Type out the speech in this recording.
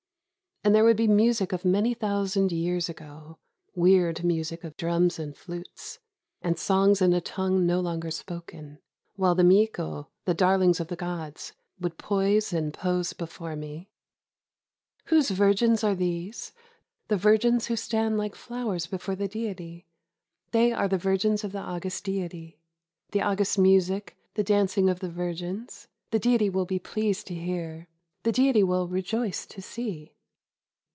And there would be music of many thousand years ago, — weird music of drums and flutes, — and songs in a tongue no longer spoken; while the miko, the darlings of the gods, would poise and pose before me :—..." Whose virgins are these, — the virgins who stand like flowers before the Deity? They are the virgins of the august Deity. " The august music, the dancing of the virgins, — the Deity will be pleased to hear, the Deity will rejoice to see.